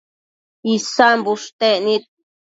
Isan bushtec nid